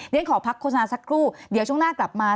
ขอพักโฆษณาสักครู่เดี๋ยวช่วงหน้ากลับมา